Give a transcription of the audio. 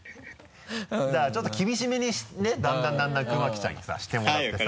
だからちょっと厳しめにねだんだんだんだん熊木ちゃんにさしてもらってさ。